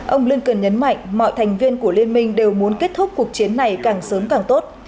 ông blinken nhấn mạnh mọi thành viên của liên minh đều muốn kết thúc cuộc chiến này càng sớm càng tốt